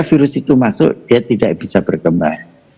virus itu masuk dia tidak bisa berkembang